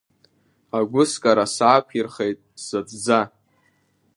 Агәыскара саақәирхеит сзаҵәӡа!